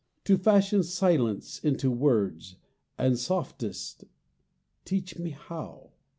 To fashion silence into words The softest, teach me how!